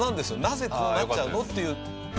なぜこうなっちゃうの？っていう。